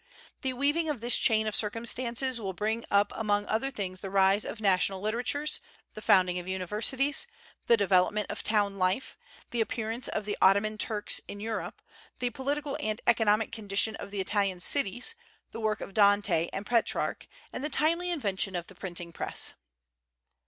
The weaving of this chain of circumstances will bring up among other things the rise of national literatures, the founding of universities, the development of town life, the appearance of the Ottoman Turks in Europe, the political and economic condition of the Italian cities, the work of Dante and Petrarch, and the timely invention of the printing press.